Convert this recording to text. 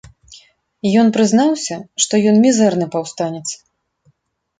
Ён прызнаўся, што ён мізэрны паўстанец.